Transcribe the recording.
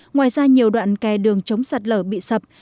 ngoài ra nhiều đoạn kè đường chống sạt lở bị sập